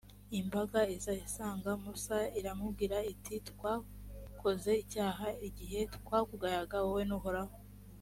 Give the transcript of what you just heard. imbaga iza isanga musa, iramubwira iti twakoze icyaha igihe twakugayaga wowe n’uhoraho.